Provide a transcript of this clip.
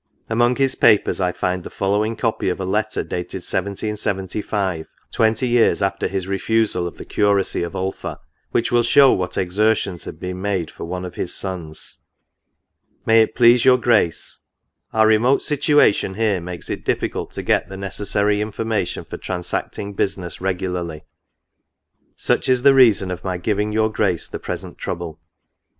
Among his papers I find the following copy of a letter, dated 1775, twenty years after his refusal of the curacy of Ulpha, which will show what exertions had been made for one of his sons. NOTES. 55 " May it please your Grace, « Our remote situation here makes it difficult to get the necessary information for transacting business regularly : such is the reason of my giving your Grace the present trouble.